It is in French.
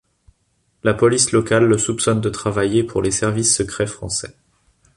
La police locale le soupçonne de travailler pour les services secrets français.